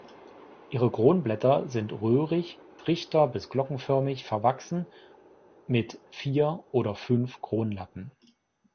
Ihre Kronblätter sind röhrig, trichter- bis glockenförmig verwachsen mit vier oder fünf Kronlappen.